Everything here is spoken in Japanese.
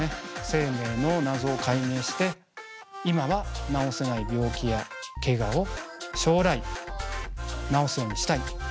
生命の謎を解明して今は治せない病気やけがを将来治すようにしたい。